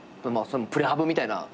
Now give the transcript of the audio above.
プレハブみたいな。